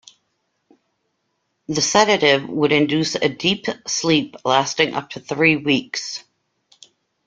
The sedative would induce a deep sleep lasting up to three weeks.